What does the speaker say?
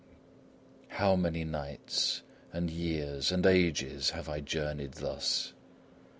How many nights, and years, and ages have I journeyed thus!